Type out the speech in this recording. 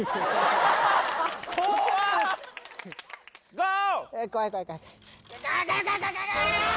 ゴー！